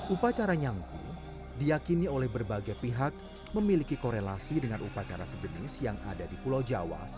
upacara nyangku diakini oleh berbagai pihak memiliki korelasi dengan upacara sejenis yang ada di pulau jawa